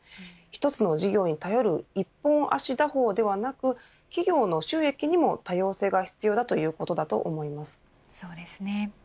一つの事業に頼る一本足打法ではなく企業の収益にも多様性が必要だそうですね。